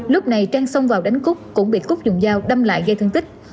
lúc này trang xông vào đánh cúc cũng bị cúc dùng dao đâm lại gây thương tích